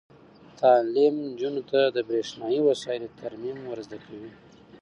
تعلیم نجونو ته د برښنايي وسایلو ترمیم ور زده کوي.